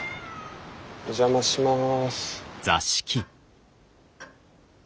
お邪魔します。